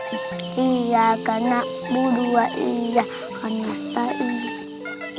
seperti itu kasah pembuluh awal dan pem independently